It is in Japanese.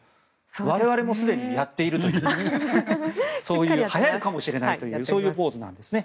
我々もすでにやっているとはやるかもしれないというそういうポーズなんです。